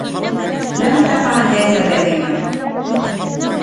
لم تفعل هذا دائما؟